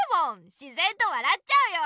しぜんと笑っちゃうよ！